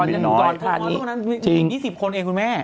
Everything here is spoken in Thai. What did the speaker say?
อีสานน้อยโม๊ตคนนั้นอีก๒๐คนเองคุณแม่